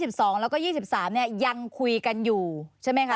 แล้วก็๒๓เนี่ยยังคุยกันอยู่ใช่ไหมคะ